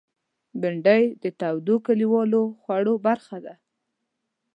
بېنډۍ د تودو کلیوالو خوړو برخه ده